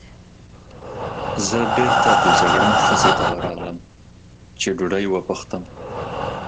زه بېرته د جګړن خزې ته ورغلم، چې ډوډۍ وپوښتم.